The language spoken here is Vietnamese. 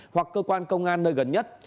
hoặc cơ quan công an nơi gần nhất